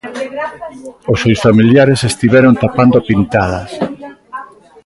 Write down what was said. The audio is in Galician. Os seus familiares estiveron tapando pintadas.